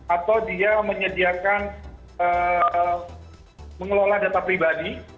atau dia menyediakan mengelola data pribadi